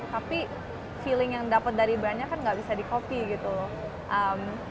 tapi feeling yang dapat dari banyak kan nggak bisa di copy gitu loh